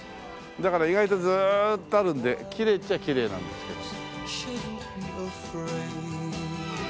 だから意外とずーっとあるんできれいっちゃきれいなんですけど。